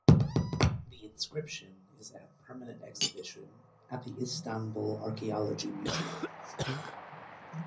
The inscription is at permanent exhibition at the Istanbul Archaeology Museum.